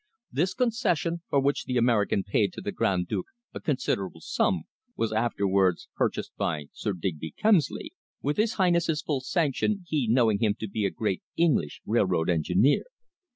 This concession, for which the American paid to the Grand Duke a considerable sum, was afterwards purchased by Sir Digby Kemsley with his Highness's full sanction, he knowing him to be a great English railroad engineer.